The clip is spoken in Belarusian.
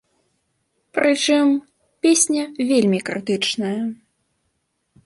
Прычым, песня вельмі крытычная.